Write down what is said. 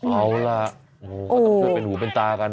เอาล่ะโอ้โฮ